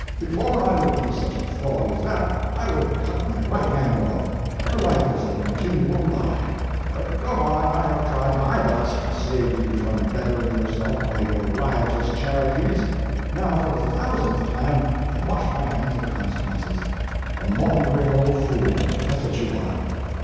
Before I would be such a fraud as that, I would cut my right hand off. Your life is a continual lie. But go on, I have tried MY best to save you from beggaring yourself by your riotous charities now for the thousandth time I wash my hands of the consequences. A maundering old fool! that's what you are."